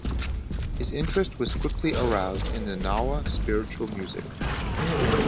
His interest was quickly aroused in the Gnawa Spiritual Music.